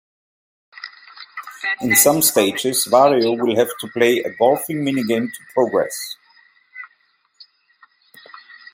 In some stages, Wario will have to play a golfing minigame to progress.